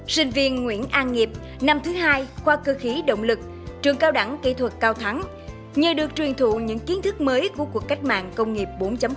sinh viên nguyễn an nghiệp năm thứ hai khoa cơ khí động lực trường cao đẳng kỹ thuật cao thắng nhờ được truyền thụ những kiến thức mới của cuộc cách mạng công nghiệp bốn